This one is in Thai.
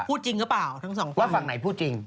พูดจริงหรือเปล่าทั้งสองคนว่าฝั่งไหนพูดจริง